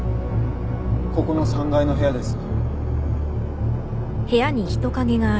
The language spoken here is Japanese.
ここの３階の部屋です。